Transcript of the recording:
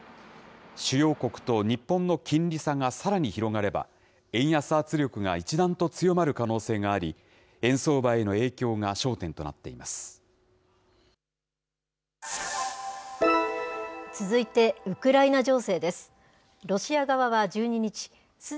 主要国と日本の金利差がさらに広がれば、円安圧力が一段と強まる可能性があり、円相場への影響が焦点とな続いて、ウクライナ情勢です。